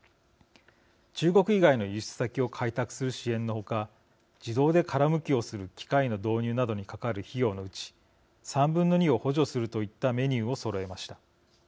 中国以外の輸出先を開拓する支援のほか自動で殻むきをする機械の導入などにかかる費用のうち３分の２を補助するといったメニューをそろえました。